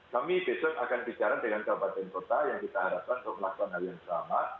kami besok akan bicara dengan kabupaten kota yang kita harapkan untuk melakukan hal yang sama